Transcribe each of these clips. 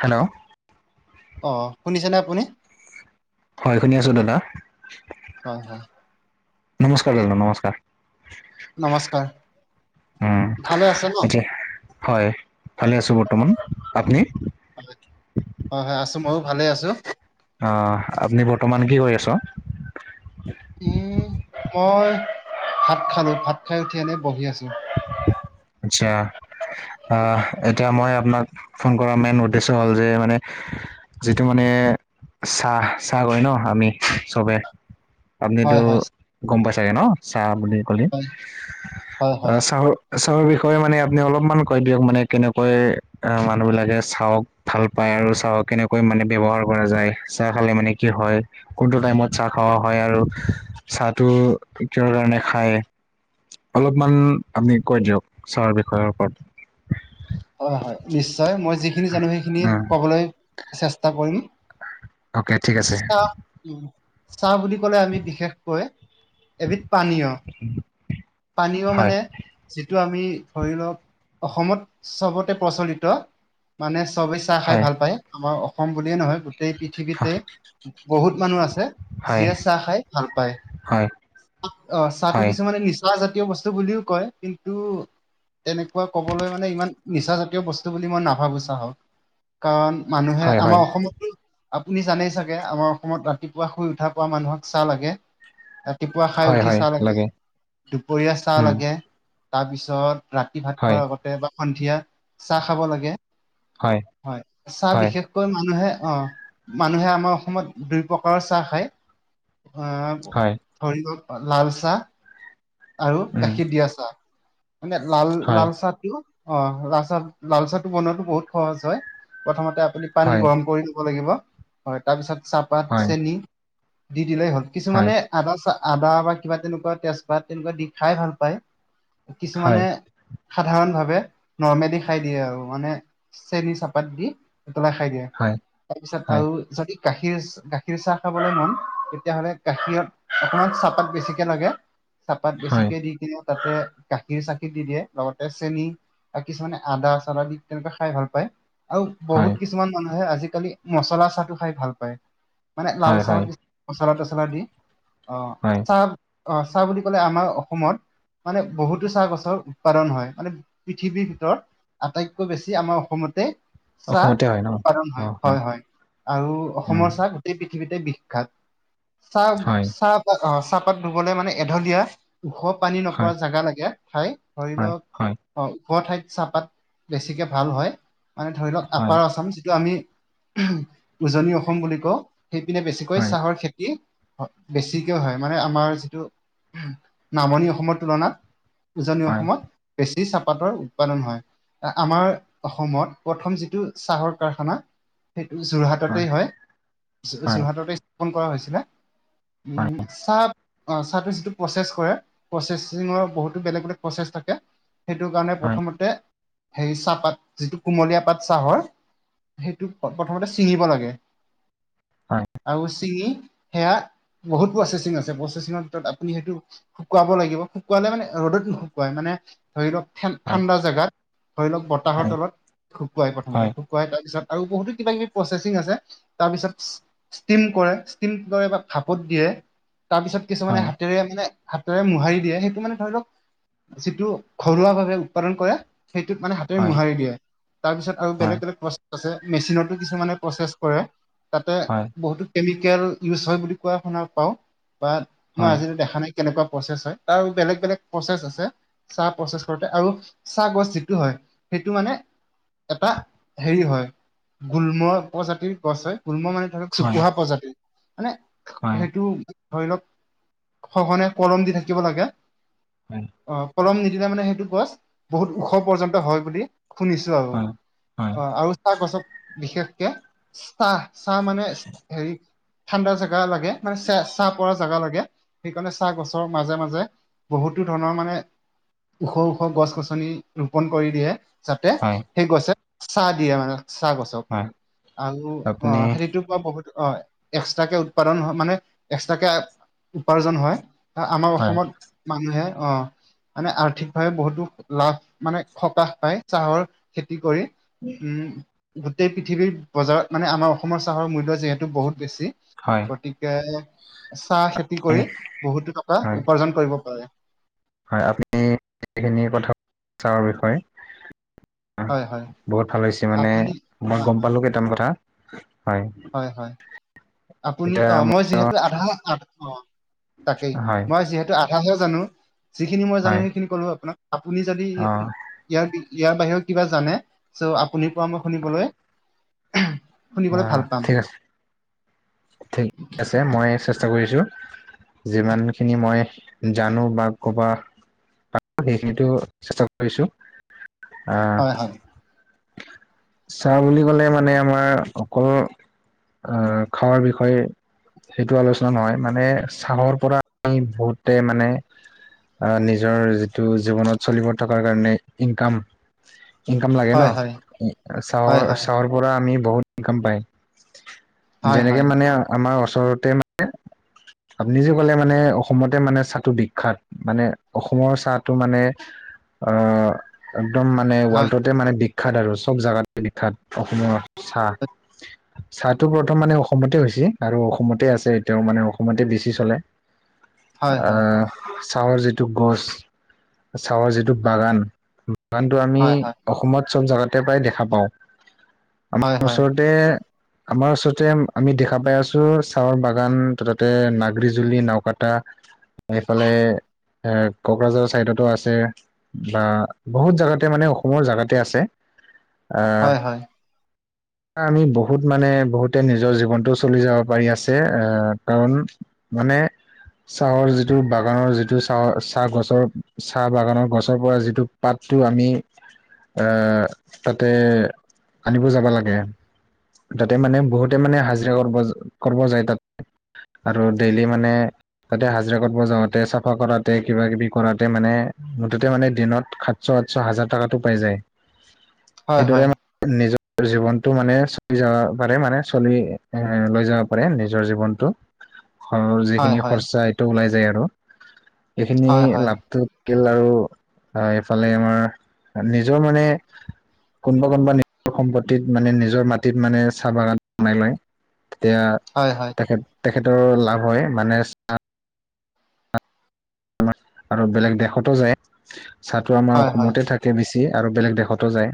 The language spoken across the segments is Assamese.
হেল্ল' অ শুনিছেনে আপুনি? হয় শুনি আছোঁ দাদা। হয় হয়। নমস্কাৰ দাদা নমস্কাৰ। নমস্কাৰ। উম, ভালে আছে ন এতিয়া হয় ভালে আছো বৰ্তমান, আপনি? হয়, হয়-হয় আছো মইয়ো ভালে আছো। অহ, আপনি বৰ্তমান কি কৰি আছ'? উম, মই ভাত খালো, ভাত খাই উঠি এনে বহি আছো। আচ্ছা, আহ এতিয়া মই আপনাক ফোন কৰাৰ মেইন উদ্দেশ্য হ'ল যে মানে যিটো মানে চাহ-চাহ কয় ন আমি চবে হয় আপনিতো হয় গম পাই ছাগে ন চাহ বুলি ক'লে? হয় হয় আ হয় চাহৰ চাহৰ বিষয়ে মানে আপনি অলপমান কৈ দিয়ক মানে কেনেকৈ মানুহ বিলাকে চাহক ভাল পায় আৰু চাহক কেনেকৈ মানে ব্যৱহাৰ কৰা যায়? চাহ খালে মানে কি হয়? কোনটো টাইমত চাহ খাৱা হয় আৰু চাহটো কিহৰ কাৰণে খায়? অলপমান আপনি কৈ দিয়ক চাহৰ বিষয়ৰ ওপৰত। হয় হয় নিশ্চয় মই যিখিনি জানো সেইখিনি উম কবলৈ চেষ্টা কৰিম। অ'কে ঠিক আছে। চাহ উম চাহ বুলি ক'লে আমি বিশেষকৈ এবিধ পানীয়। [inaudible] পানীয় হয় মানে যিটো আমি ধৰি লওক অসমত চবতে প্ৰচলিত মানে চবে চাহ খাই হয় ভাল পায় আমাৰ অসম বুলিয়ে নহয় গো টেই পৃথিৱীতেই বহুত মানুহ আছে হয় যিয়ে চাহ খাই ভাল পায়। হয় অহ চাহটো হয় কিছুমানে নিচা জাতীয় বস্তু বুলিও কয় কিন্তু তেনেকোৱা কবলৈ মানে ইমান নিচাজাতীয় বস্তু বুলি মই নাভাবো চাহক। কাৰণ মানুহে হয় হয় আমাৰ অসমত আপুনি জানেই চাগে আমাৰ অসমত ৰাতিপুৱা শুই উঠাৰ পৰা মানুহক চাহ লাগে। ৰাতিপুৱা খাই হয় উঠি হয় চাহ লাগে। দুপৰীয়া চাহ উম লাগে তাৰপিছত ৰাতি ভাত হয় খোৱাৰ আগত বা সন্ধিয়া চাহ খাব লাগে। হয় চাহ হয় বিশেষ কৈ মানুহে অ মানুহে আমাৰ অসমত দুই প্ৰকাৰৰ চাহ খায়। অ হয় ধৰি লওক লাল চাহ আৰু উম গাখীৰ দিয়া চাহ মানে লাল হয় লাল চাহটো অ লালচাহ লালচাহটো বনোৱাতো বহুত সহজ হয়। প্ৰথমতে আপুনি পানী হয় গৰম কৰি দিব লাগিব হয় তাৰপিছত চাহপাত, হয় চেনি দি দিলেই হ'ল। হয় কিছুমানে আদা চা আদা বা কিবা তেনেকোৱা তেজপাত তেনেকোৱা দি খাই ভাল পায়। হয় কিছুমানে সাধাৰণ ভাৱে নৰ্মেলি খাই দিয়ে আৰু মানে চেনী চাহপাত দি উতলাই খাই দিয়ে। হয় তাৰপিছত হয় আৰু যদি গাখীৰ আছ গাখীৰ চাহ খাবলে মন, তেতিয়াহ'লে গাখীৰত অকমান চাহপাত বেছিকে লাগে। চাহপাত হয়, বেছিকে দি কিনে তাতে গাখীৰ-চাখীৰ দি দিয়ে, লগতে চেনি। বা কিছুমানে আদা-চাদা দি তেনেকুৱা খাই ভাল পায়। আৰু বহুত হয়, কিছুমান মানুহে আজি-কালি মচলা চাহটো খাই ভাল পায়। মানে লাল হয়, চাহত হয়, কি মচলা-তচলা দি, অ হয়, চাহ আহ চাহ বুলি ক'লে আমাৰ অসমত মানে বহুতো চাহ গছৰ উৎপাদন হয় মানে পৃথিৱীৰ ভিতৰত আটাইতকৈ বেছি আমাৰ অসমতে চাহ অসমতে হয় ন? উৎপাদন হয়। হয়-হয় আৰু উম, অসমৰ চাহ গো টেই পৃথিৱীতে বিখ্যাত। হয়, চাহ-চাহপাত অহ চাহপাত ৰুবলে মানে এঢলীয়া ওখ পানী নপৰা হয়, জেগা লাগে ঠাই ধৰি হয়, লওক হয়, অ ওখ ঠাইত চাহপাত বেছিকে ভাল হয়। মানে ধৰি লওক হয়, আপাৰ আচাম যিটো আমি [unintelligible] উজনি অসম বুলি কওঁ। সেইপিনে বেছিকৈ হয়, চাহৰ খেতি বেছিকে হয় মানে আমাৰ যিটো নামনি অসমৰ তুলনাত উজনি হয়, অসমত বেছি চাহপাতৰ উৎপাদন হয়। আ-আমাৰ অসমত প্ৰথম যিটো চাহৰ কাৰখানা সেইটো যোৰহাট টেই হয় হয়, যোৰহাটতে স্থাপন কৰা হৈছিলে। উ হয়, চাহ অ চাহটো যিটো প্ৰচেছ কৰে, প্ৰচেচিঙৰ বহুতো বেলেগ বেলেগ প্ৰচেছ থাকে। সেইটো কাৰণে হয়, প্ৰথমতে হেৰি চাহপাত যিটো কুমলীয়া পাত চাহৰ সেইটো প-প্ৰথমতে ছিঙিব লাগে। হয়। আৰু চিঙি সেয়া বহুত প্ৰচেচিং আছে। প্ৰচেছিঙৰ ভিতৰত আপুনি সেইটো শুকুৱাব লাগিব। শুকুৱালে মানে ৰ'দত নুশুকুৱাই মানে ধৰি লওক হয়, ঠান-ঠাণ্ডা জাগাত ধৰি লওক হয়, বতাহৰ হয়, তলত শুকুৱাই হয়, প্ৰথমতে। শুকোৱাই তাৰপিছত আৰু বহুতো কিবা-কিবি প্ৰচেছিং আছে। তাৰপিছত ষ্টিম কৰে ষ্টিম কৰে বা ভাপত দিয়ে। তাৰপিছত হয়, কিছুমানে হাতেৰে মানে হাতে মোহাৰি দিয়ে। সেইটো মানে ধৰি লওক যিটো ঘৰুৱা ভাৱে উৎপাদন কৰে সেইটোত মানে হাতেৰে হয়, হয়, হয়, মোহাৰি দিয়ে। তাৰ পিছত আৰু হয়, বেলেগ বেলেগ প্ৰচেছ আছে। মেচিনটো কিছুমানে প্ৰচেছ কৰে। তাতে হয়, বহুতো কেমিকেল ইউজ হয় বুলি কোৱা শুনা পাওঁ বা মই হয়, আজিলৈ দেখা নাই কেনেকুৱা প্ৰচেছ হয়। তাৰ আৰু বেলেগ বেলেগ প্ৰচেছ আছে। চাহ প্ৰচেছ কৰোতে আৰু চাহ গছ যিটো হয় সেইটো মানে এটা হেৰি হয় গুল্ম প্ৰজাতিৰ গছ হয়। গুল্ম মানে [unintelligible] চোপোহা প্ৰজাতিৰ মানে হয়, সেইটো ধৰি লওক সঘনে কলম দি থাকিব লাগে। হয়। অ কলম নিদিলে মানে সেইটো গছ বহুত ওখ পৰ্যন্ত হয় বুলি শুনিছো আৰু হয়, অ আৰু চাহ গছত বিশেষকে চাহ চাহ মানে হেৰি ঠাণ্ডা জাগা লাগে মানে চ ছাঁ পৰা জাগা লাগে। সেইকাৰণে চাহ গছৰ মাজে মাজে বহুতো ধৰণৰ মানে ওখ ওখ গছ-গছনি ৰোপন কৰি দিয়ে। যাতে হয়, সেই গছে ছা দিয়ে মানে চাহ গছক হয়, আৰু অ আপুনি সেইটোক বহুতো হয় এক্সট্ৰাকে উৎপাদন হয় মানে এক্সট্ৰাকে উপাৰ্জন হয়। আমাৰ হয়, অসমত মানুহে অ মানে আৰ্থিকভাৱে বহুতো লাভ মানে সকাহ পায় চাহৰ খেতি কৰি। উ। উম, গোটেই পৃথিৱীৰ বজাৰত মানে আমাৰ অসমৰ চাহৰ মূল্য যিহেতু বহুত বেছি। হয়। গতিকে চাহ খেতি কৰি বহুতো টকা হয়, উপাৰ্জন কৰিব পৰা যায়। হয় আমি সেইখিনি কথা চাহৰ বিষয়ে হয় হয় বহুত ভাল হৈছে মানে আপুনি মই হয় গম পালো কেইটামান কথা। হয়, হয়-হয়, আপুনি অ মই যিহেতু আধা আধ অ' তাকেই, হয়, মই যিহেতু আধাহে জানো যিখিনি মই জানো হয়, সেইখিনি কলো আপোনাক। আপুনি যদি অ'। ইয়াৰ ইয়াৰ বাহিৰেও কিবা জানে চ' আপুনি পৰামৰ্শ শুনিবলৈ শুনিবলৈ অ', ভাল পাম ঠিক আছে, ঠিক আছে। মই চেষ্টা কৰিছো যিমান খিনি মই জানো বা ক'বা [unintelligible] সেইটো চেষ্টা কৰিছো। আহ হয় হয় চাহ বুলি ক'লে মানে আমাৰ অকল আহ খাৱাৰ বিষয়ে সেইটো আলোচনা নহয় মানে ছাহৰ পৰা আমি বহুতে মানে অ নিজৰ যিটো জীৱনত চলিবৰ থকাৰ কাৰণে ইনকাম ইনকাম লাগে হয় হয় ন? হয় হয় চাহৰ-চাহৰ পৰা আমি বহুত ইনকাম পায় হয় যেনেকে মানে আমাৰ ওচৰতে মানে আপনি যে ক'লে মানে অসমতে মানে চাহটো বিখ্যাত মানে অসমৰ চাহটো মানে অ' একদম মা নে হয় ৱৰ্ল্টতে মানে বিখ্যাত আৰু চব জাগাতে বিখ্যাত অসমৰ চাহ। চাহটো প্ৰথম মানে অসমতে হৈছি আৰু অসমতে আছে এতিয়াও মানে অসমতে বেছি চলে। হয় হয় অহ চাহৰ যিটো গছ চাহৰ যিটো বাগান গানটো আমি হয় অসমত চব জাগাতে প্ৰায় দেখা পাওঁ। হয় হয় হয় ওচৰতে আমাৰ ওচৰতে আমি দেখা পাই আছো চাহৰ বাগান ত' তাতে নাগ্ৰিজুলি, নাওকাটা এইফালে এ কোকৰাঝাৰ চাইডতো আছে। বা বহুত জাগাতে মানে অসমৰ জাগাতে আছে। আহ হয় হয়। আমি বহুত মানে বহুতে নিজৰ জীৱনটো চলি যাব পাৰি আছে আহ কাৰণ মানে চাহৰ যিটো বাগানৰ যিটো চাহৰ চাহ গছৰ চাহ বাগানৰ গছৰ পৰা যিটো পাতটো আমি অ তাতে আনিব যাব লাগে। তাতে মানে বহুতে মানে হাজিৰা কৰ্ব কৰ্ব যায় তাত আৰু ডেইলি মানে তাতে হাজিৰা কৰ্ব যাওঁতে চাফা কৰাতে কিবা-কিবি কৰাতে মানে মুঠতে মানে দিনত সাত ছ, আঠছ, হাজাৰ টাকাটো পাই যায়। হয় হয় সেইদৰে হয় মানে নিজৰ জীৱনতটো মানে চলি যাবা পাৰে মানে চলি এ লৈ যাবা পাৰে নিজৰ জীৱনটো। ঘৰ যিখিনি হয় হয় হয় খৰচা এইটো ওলাই যায় আৰু এইখিনি লাভটো [unintelligible] আৰু এইফালে আমাৰ নিজৰ মানে কোনবা কোনবা নি সম্পত্তিত মানে নিজৰ মাটিত মানে চাহ বাগান বনাই লয়, তেতিয়া হয় হয়। তেখেত তেখেতৰ লাভ হয় মানে আমাৰ আৰু বেলেগ দেশতো যায় চাহটো আমাৰ হয় হয় হয় হয় অসমতে থাক বেচি আৰু বেলেগ দেশতো যায়,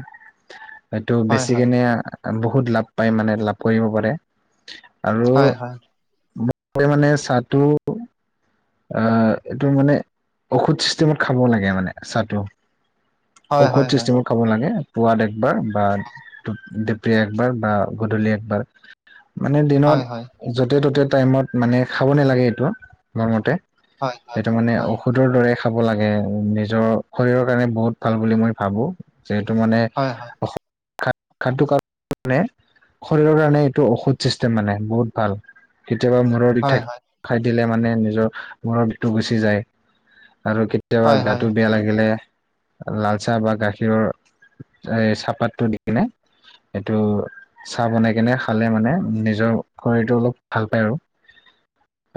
এইটো হয় বেচি কেনে আ বহুত লাভ পায় মানে লাভ কৰিব পাৰে আৰু বহুতে মানে চাহটো আহ এইটো মানে ঔষুধ চিষ্টেমত খাব লাগে মানে চাহটো। হয় হয় হয় হয় হয় হয় হয় হয় হয় হয় হয় হয় ঔষধ চিষ্টেমত খাব লাগে। পুৱাত একবাৰ বা ডো ডিপ্ৰীয়া একবাৰ বা গধূলি একবাৰ। মানে দিনত য'তে ত'তে টাইমত মানে খাব নেলাগে এইটো মোৰ মতে। সেইটো মানে হয় হয় হয় হয় ঔষোধ টোৰ দৰে খাব লাগে নিজৰ শৰীৰৰ কাৰণে বহুত ভাল বুলি মই ভাবো। যিহেতু মানে অসম [unintelligible] শৰীৰৰ কাৰণে এইটো ঔষধ চিষ্টেম। মানে বহুত ভাল। কেতিয়াবা মূৰৰ বিষ থাক থাকিলে মানে নিজৰ মূৰৰ বিষটো গুচি যায় আৰু কেতিয়াবা গাটো বেয়া লাগিলে লাল চাহ বা গাখীৰৰ এ চাহপাতটো দি কিনে এইটো চাহ বনাই কেনে খালে মানে নিজৰ শৰীৰটো অলপ ভাল পায় আৰু।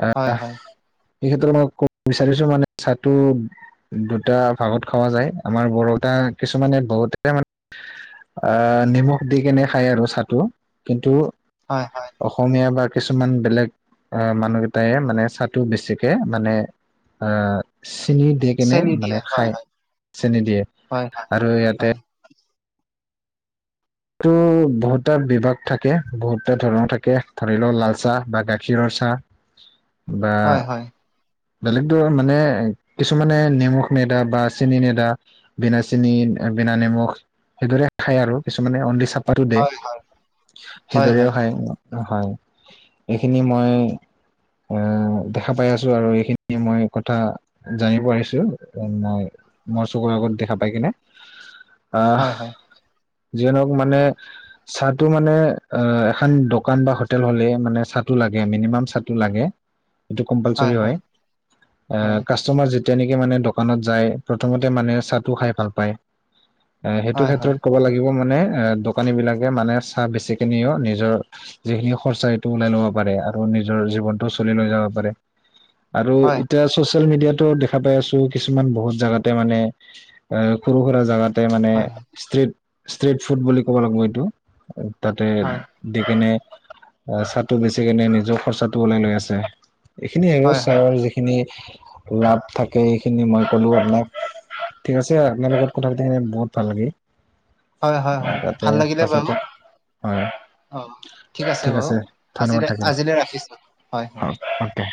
আহ হয় হয় হয় এই ক্ষেত্ৰত মই কব বিচাৰিছো মানে চাহটো দুটা ভাগত খোৱা যায়। আমাৰ বৰ'টা কিছুমানে বহুতে মানে আ নিমখ দি কেনে খায় আৰু চাহটো। কিন্তু হয়, হয়। অসমীয়া বা কিছুমান বেলেগ আ মানুহ কেইটাই মানে চাহটো বেছি কে মানে আ চিনি দি কেনে চেনি মানে দিয়ে হয় খায় হয় চেনি দিয়ে হয় হয় আৰু ইয়াতে হয় টো বহুতটা বিভাগ থাকে, বহুতটা ধৰণৰ থাকে। ধৰি লও লাল চাহ বা গাখীৰৰ চাহ। বা হয় হয় বেলেগ ধৰ মানে কিছুমানে নিমখ নেদা বা চেনি নেদা বিনা চেনি, বিনা নিমখ সেইদৰে খায় আৰু। কিছুমানে অনলি চা পাতো দে হয় হয় হয় সেইদৰেও খায়। হয় এইখিনি মই আ দেখা পাই আছো আৰু এই খিনি মই কথা জানিব আহিছো মই মোৰ চকুৰ আগত দেখা পাই কিনে। আহ হয় হয় যিয়ে নহক মানে চাহটো মানে অ এখন দোকান বা হোটেল হ'লে মানে চাহটো লাগে, মিনিমাম চাহটো লাগে। এইটো কম্পালচৰী হয়। আ হয় কাষ্টটমাৰ যেতিয়া নেকি মানে দোকানত যায় প্ৰথমতে মানে চাহটো খাই ভাল পায়। আ সেইটো হয় হয় ক্ষেত্ৰত ক'ব লাগিব মানে আ দো দোকানী বিলাকে মানে চাহ বেছি কিনিও নিজৰ যিখিনি খৰচা এইটো ওলাই ল'ব পাৰে আৰু নিজৰ জীৱনটো চলি লৈ যাব পাৰে। আৰু হয় এতিয়া চচিয়েল মিডিয়াতো দেখা পাই আছো কিছুমান বহুত জেগাতে মানে এ সৰু সুৰা জাগাত তাতে মানে হয় হয় ষ্ট্ৰিট ষ্ট্ৰিট ফুড বুলি ক'ব লাগিব এইটো। তাতে হয় দি কেনে চাহটো বেচি কেনে নিজৰ খৰচাটো ওলাই লৈ আছে। এইখিনিয়ে হয় [unintelligible] যিখিনি লাভ থাকে এইখিনি মই ক'লো আপোনাক। ঠিক আছে। আপোনাৰ লগত কথা পাতি কেনে বহুত ভাল লাগিল। হয়, হয়, হয় যাতে ভাল লাগিলে বাৰু। পাছতো হয় অ ঠিক আছে বাৰু। আজিলৈ আজিলৈ ৰাখিছো, হয়। অকে।